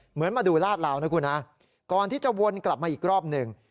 เหมือนมาดูลาดลาวนะคุณฮะก่อนที่จะวนกลับมาอีกรอบหนึ่ง